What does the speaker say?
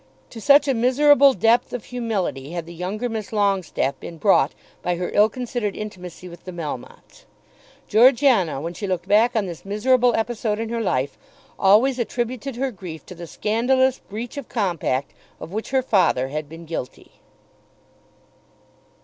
To such a miserable depth of humility had the younger Miss Longestaffe been brought by her ill considered intimacy with the Melmottes! Georgiana, when she looked back on this miserable episode in her life, always attributed her grief to the scandalous breach of compact of which her father had been guilty.